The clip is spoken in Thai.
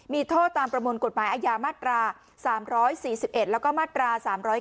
มีโทษตามประมวลกฎหมายอาญามาตรา๓๔๑แล้วก็มาตรา๓๙